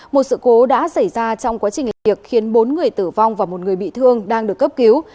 một sự cố đã xảy ra trong quá trình làm việc khiến bốn người tử vong và một người bị thương đang được cấp cứu